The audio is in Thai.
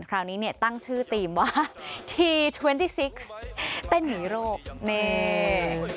คราวนี้เนี่ยตั้งชื่อธีมว่าทีเว้นที่สิบเป็นหรี่โรคเนี่ย